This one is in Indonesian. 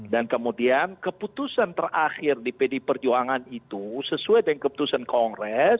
dan kemudian keputusan terakhir di pd perjuangan itu sesuai dengan keputusan kongres